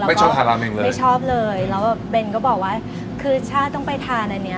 ไม่ชอบทานร้านเองเลยไม่ชอบเลยแล้วแบบเบนก็บอกว่าคือชาติต้องไปทานอันเนี้ย